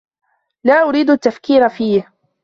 لا أريد التّفكير فيه.